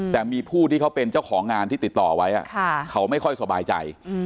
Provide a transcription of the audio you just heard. แต่มีผู้ที่เขาเป็นเจ้าของงานที่ติดต่อไว้เขาไม่ค่อยสบายใจ